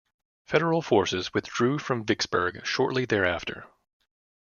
Federal forces withdrew from Vicksburg shortly thereafter.